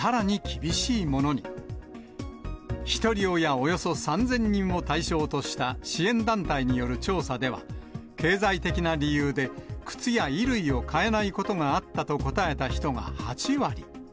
およそ３０００人を対象とした、支援団体による調査では、経済的な理由で、靴や衣類を買えないことがあったと答えた人が８割。